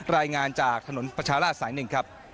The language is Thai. รายงานจากถนนประชาลาศสายหนึ่งครับ